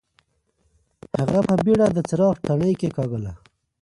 هغه په بېړه د څراغ تڼۍ کېکاږله.